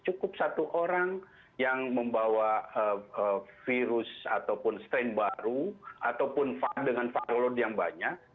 cukup satu orang yang membawa virus ataupun strain baru ataupun dengan vaload yang banyak